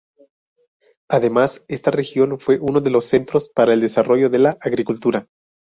Además, esta región fue uno de los centros para el desarrollo de la agricultura.